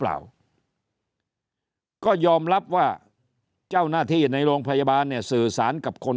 เปล่าก็ยอมรับว่าเจ้าหน้าที่ในโรงพยาบาลเนี่ยสื่อสารกับคน